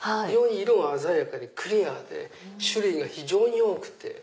色が鮮やかにクリアで種類が非常に多くて。